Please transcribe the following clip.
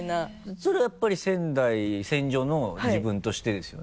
それやっぱり仙女の自分としてですよね？